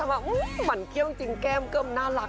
มันเคี่ยวจริงแก้มก็น่ารัก